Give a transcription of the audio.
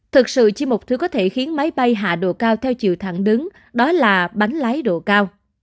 thực sự chi một thứ có thể khiến máy bay hạ độ cao theo chiều thẳng đứng đó là bánh lái độ cao